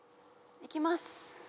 いきます